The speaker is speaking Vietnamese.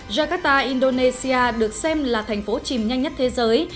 jakarta indonesia được xem là thành phố chìm nhanh nhất thế giới